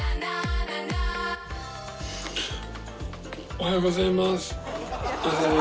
おはようございます。